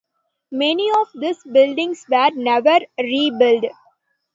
Many of these buildings were never rebuilt.